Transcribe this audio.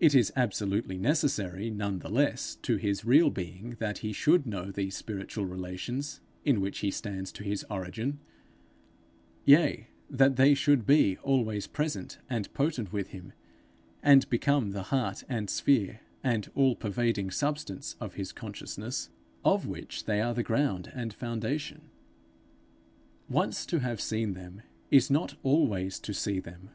It is absolutely necessary, none the less, to his real being, that he should know these spiritual relations in which he stands to his Origin; yea, that they should be always present and potent with him, and become the heart and sphere and all pervading substance of his consciousness, of which they are the ground and foundation. Once to have seen them, is not always to see them.